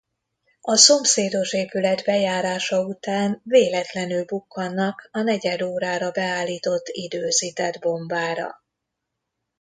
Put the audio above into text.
A szomszédos épület bejárása után véletlenül bukkannak a negyed órára beállított időzített bombára.